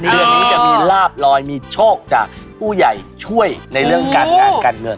เดือนนี้จะมีลาบลอยมีโชคจากผู้ใหญ่ช่วยในเรื่องการงานการเงิน